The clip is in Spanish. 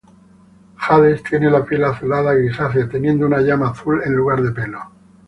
Hades tiene la piel azulada-grisácea teniendo una llama azul en lugar de pelo.